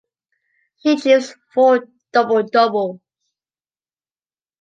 She achieves four double-double.